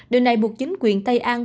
điều này buộc chính quyền tây an